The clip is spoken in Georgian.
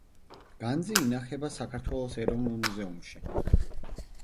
განძი ინახება საქართველოს ეროვნულ მუზეუმში.